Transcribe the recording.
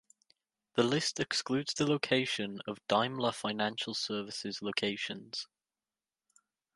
The list excludes the location of Daimler Financial Services locations.